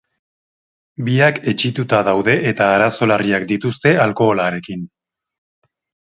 Biak etsituta daude eta arazo larriak dituzte alkoholarekin.